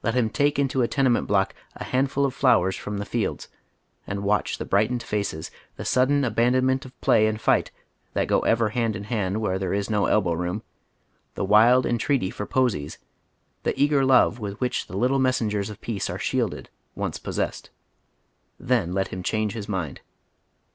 Jiim take into a tenement block a handful of flowers from the fields and watch the brightened faces, the sud den abandonment of plaj and %ht that go ever hand in hand where there is no elbow*room, the wild entreaty for " posies," the eager love with which the little messengers of peace are shielded, once possessed ; then let him change his mind.